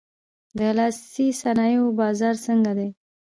د لاسي صنایعو بازار څنګه دی؟